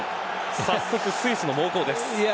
早速スイスの猛攻です。